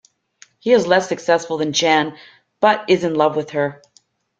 He is less successful than Jen, but is in love with her.